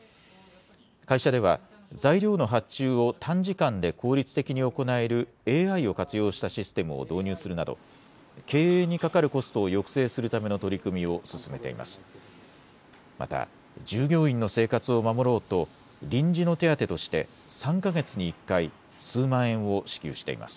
会社では、材料の発注を短時間で効率的に行えるＡＩを活用したシステムを導入するなど、経営にかかるコストを抑制するための取り組みを進めています。